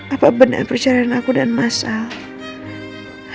apa bener perjalanan aku dan mas alpasiak